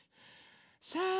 さあ